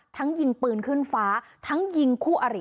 ยิงปืนขึ้นฟ้าทั้งยิงคู่อริ